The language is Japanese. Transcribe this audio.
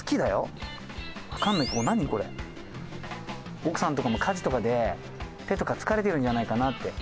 奥さんとかも家事とかで手とか疲れてるんじゃないかなって。